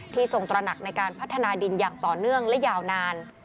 ทรงตระหนักในการพัฒนาดินอย่างต่อเนื่องและยาวนาน